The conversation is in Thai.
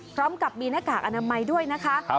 พร้อมกับมีหน้ากากอนามัยด้วยนะคะ